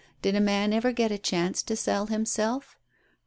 Did a man ever get a chance to sell himself?